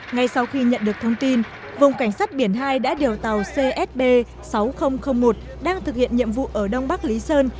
ngay sau khi nhận được thông tin vùng cảnh sát biển hai đã điều tàu csb sáu nghìn một đang thực hiện nhiệm vụ ở đông bắc lý sơn